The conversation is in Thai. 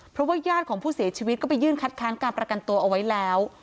เพราะว่าญาติของผู้เสียชีวิตก็ไปยื่นคัดค้านการประกันตัวเอาไว้แล้ว